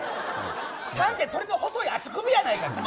３って鳥の細い足首やないか！